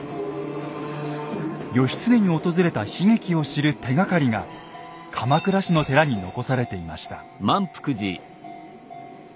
義経に訪れた悲劇を知る手がかりが鎌倉市の寺に残されていました。